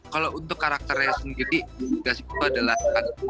kalau untuk karakternya sendiri gas itu adalah